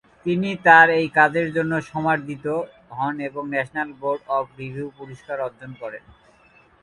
তিনি তার এই কাজের জন্য সমাদৃত হন এবং ন্যাশনাল বোর্ড অব রিভিউ পুরস্কার অর্জন করেন।